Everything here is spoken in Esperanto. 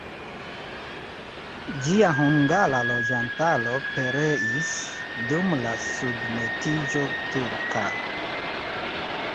Ĝia hungara loĝantaro pereis dum la submetiĝo turka.